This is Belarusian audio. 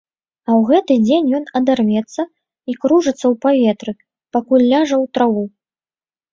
А ў гэты дзень ён адарвецца і кружыцца ў паветры, пакуль ляжа ў траву.